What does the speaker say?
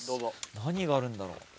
何があるんだろう？